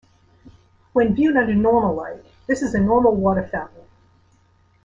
When viewed under normal light, this is a normal water fountain.